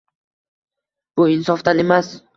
Bu insofdan emas.